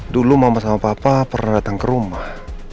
dulu mama sama papa pernah datang ke rumah